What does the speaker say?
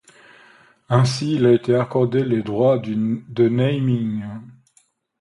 Ainsi, il a été accordé les droits de naming.